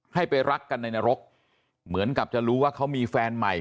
ให้ไปรักกันในนรกเหมือนกับจะรู้ว่าเขามีแฟนใหม่